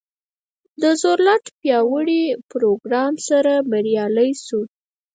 روزولټ په پیاوړي پروګرام سره بریالی شو.